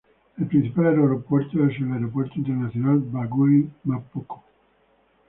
El principal aeropuerto es el Aeropuerto Internacional Bangui M’Poko.